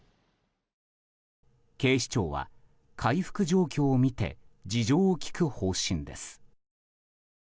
警視庁は回復状況を見て事情を聴く方針です。